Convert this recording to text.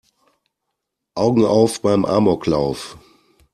Augen auf beim Amoklauf!